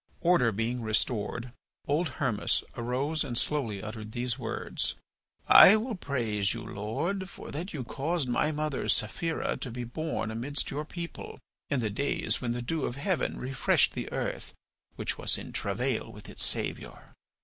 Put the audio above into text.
Order being restored, old Hermas arose and slowly uttered these words: "I will praise you, Lord, for that you caused my mother, Saphira, to be born amidst your people, in the days when the dew of heaven refreshed the earth which was in travail with its Saviour.